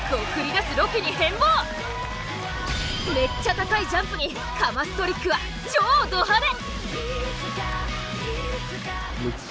めっちゃ高いジャンプにかますトリックは超ド派手！